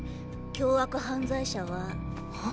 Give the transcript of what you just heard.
凶悪犯罪者は。